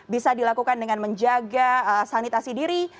bisa dilakukan dengan menjaga sanitasi diri